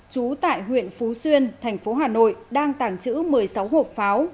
chú tại huyện phú xuyên thành phố hà nội đang tàng chữ một mươi sáu hộp pháo